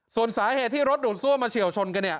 ส่วนสาเหตุที่รถดูดซ่วมมาเฉียวชน